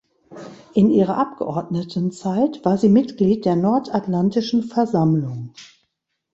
In ihrer Abgeordnetenzeit war sie Mitglied der Nordatlantischen Versammlung.